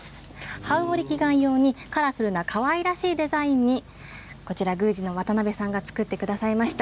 ハウオリ祈願用にカラフルにかわいらしいデザインに宮司の渡邊さんが作ってくださいました。